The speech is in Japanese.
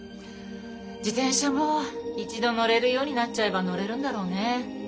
自転車も一度乗れるようになっちゃえば乗れるんだろうね。